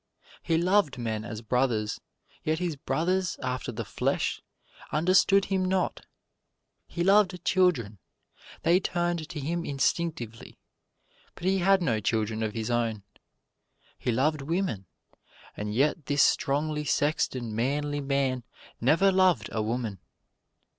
He loved men as brothers, yet his brothers after the flesh understood him not; he loved children they turned to him instinctively but he had no children of his own; he loved women, and yet this strongly sexed and manly man never loved a woman.